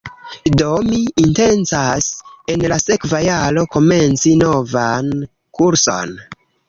Do mi intencas en la sekva jaro komenci novan kurson